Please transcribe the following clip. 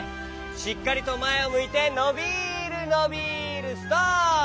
しっかりとまえをむいてのびるのびるストップ！